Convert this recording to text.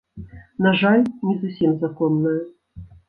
На жаль, не зусім законная.